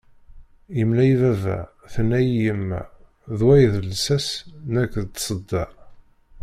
Yemla-yi baba, tenna-yi yemma, d wa i d lsas nekk d tsedda.